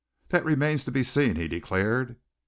"That remains to be seen," he declared.